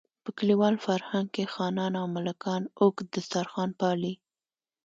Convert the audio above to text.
په کلیوال فرهنګ کې خانان او ملکان اوږد دسترخوان پالي.